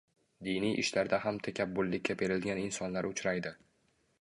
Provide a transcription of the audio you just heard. Diniy ishlarda ham takabburlikka berilgan insonlar uchraydi